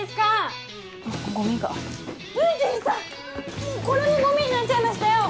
もうこれもゴミになっちゃいましたよ！